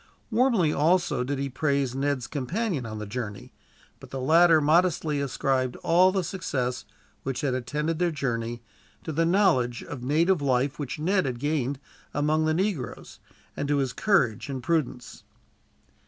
Warmly, also, did he praise Ned's companion on the journey; but the latter modestly ascribed all the success, which had attended their journey, to the knowledge of native life which Ned had gained among the negroes, and to his courage and prudence.